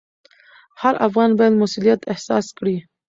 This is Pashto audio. هر افغان باید مسوولیت احساس کړي.